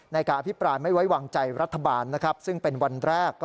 นายกะอภิปรายไม่ไว้วางใจรัฐบาลซึ่งเป็นวันแรก